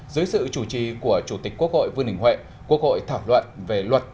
dưới sự chủ trì của chủ tịch quốc hội vương đình huệ quốc hội thảo luận về luật